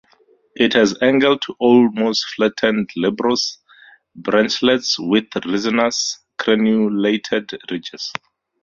It has angled to almost flattened glabrous branchlets with resinous crenulated ridges.